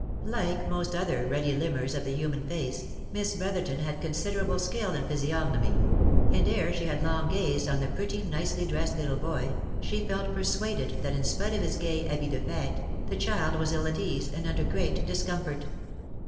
Like most other ready limners of the human face, Miss Brotherton had considerable skill in physiognomy, and ere she had long gazed on the pretty, nicely dressed, little boy, she felt persuaded that in spite of his gay habit defete, the child was ill at ease, and under great discomfort.